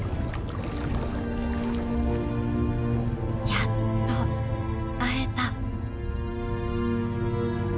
「やっと会えた」。